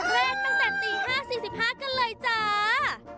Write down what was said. เป็นคนแรกตั้งแต่นตี๕๔๕กันเลยจ้า